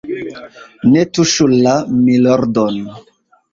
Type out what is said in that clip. ne tuŝu la _milordon_.